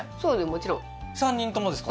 もちろん３人共ですか？